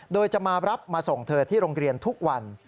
โดยจะมารับมาส่งเธอที่โรงเรียนทุกวัน